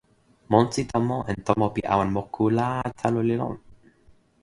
monsi tomo en tomo pi awen moku la, telo li lon.